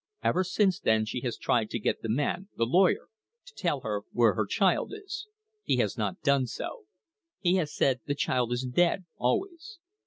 Ever since then she has tried to get the man the lawyer to tell her where her child is. He has not done so. He has said the child is dead always.